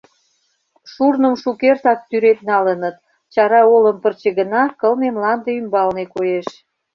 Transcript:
Шурным шукертак тӱред налыныт, чара олым пырче гына кылме мланде ӱмбалне коеш.